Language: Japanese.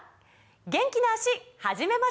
元気な脚始めましょう！